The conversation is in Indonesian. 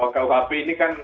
kalau kuhp ini kan